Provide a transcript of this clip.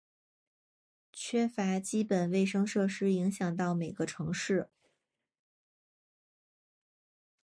缺乏基本卫生设施影响到每个城市。